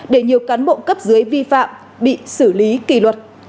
để nhiều cán bộ cấp dưới vi phạm bị xử lý kỳ luật